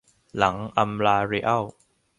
หลังอำลา เรอัล